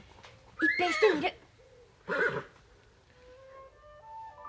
一遍してみる。